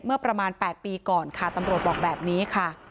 เมื่อประมาณ๘ปีก่อนค่ะตำรวจบอกแบบนี้ค่ะ